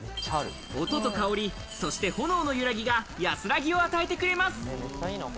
音と香り、そして炎の揺らぎが、安らぎを与えてくれます。